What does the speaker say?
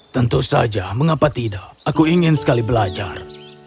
tentu saja mengapa tidak aku ingin sekali belajar